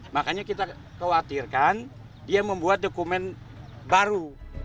makanya kita khawatirkan dia membuat dokumen baru